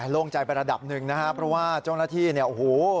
โล่งใจไประดับหนึ่งนะครับเพราะว่าเจ้าหน้าที่เนี่ยโอ้โห